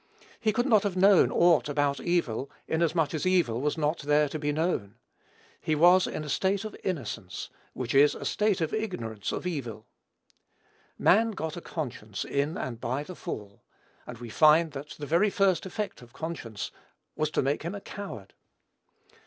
He could not have known aught about evil, inasmuch as evil was not there to be known. He was in a state of innocence, which is a state of ignorance of evil. Man got a conscience in and by the fall; and we find that the very first effect of conscience was to make him a coward.